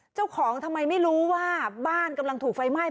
เจ้าของทำไมไม่รู้ว่าบ้านกำลังถูกไฟไหม้